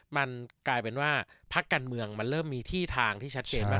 มันกลายเป็นว่าพักการเมืองมันเริ่มมีที่ทางที่ชัดเจนว่า